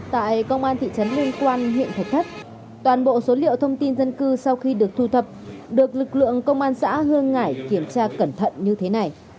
tại công an thị trấn liên quan huyện thạch thất toàn bộ số liệu thông tin dân cư sau khi được thu thập được lực lượng công an xã hương hải kiểm tra cẩn thận như thế này